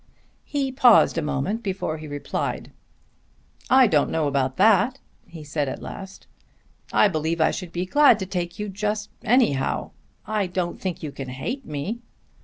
He paused a moment before he replied. "I don't know about that," he said at last. "I believe I should be glad to take you just anyhow. I don't think you can hate me."